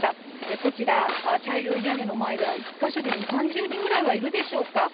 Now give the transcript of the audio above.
こちら茶色い屋根の前では、１か所で２、３０人ぐらいはいるでしょうか。